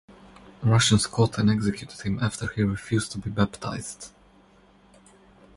Russians caught and executed him after he refused to be baptized.